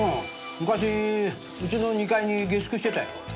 昔うちの２階に下宿してたよ。